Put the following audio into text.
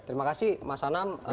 terima kasih mas anam